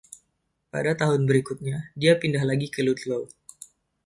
Pada tahun berikutnya dia pindah lagi ke Ludlow.